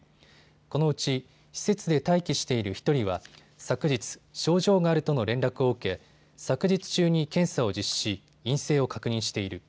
このうち施設で待機している１人は昨日、症状があるとの連絡を受け、昨日中に検査を実施し、陰性を確認している。